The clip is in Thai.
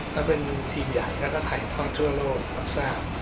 ก็เป็นทีมใหญ่และทัยทอดทั่วโลกนับแซม